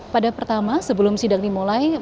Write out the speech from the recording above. pada pertama sebelum sidang ini mulai